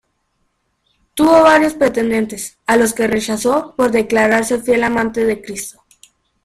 Tuvo varios pretendientes, a los que rechazó por declararse fiel amante de Cristo.